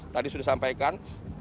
tadi sudah disampaikan